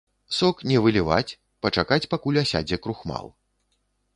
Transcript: Сок не выліваць, пачакаць пакуль асядзе крухмал.